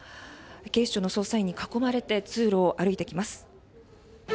警視庁の捜査員に囲まれて通路を歩いていきます。